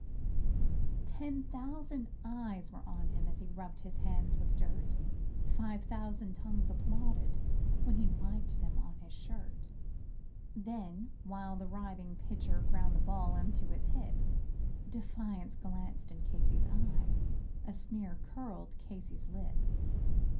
Ten thousand eyes were on him as he rubbed his hands with dirt, Five thousand tongues applauded as he wiped them on his shirt; And while the writhing pitcher ground the ball into his hip Defiance gleamed from Casey's eye a sneer curled Casey's lip.